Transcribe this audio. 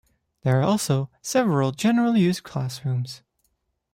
There are also several general use classrooms.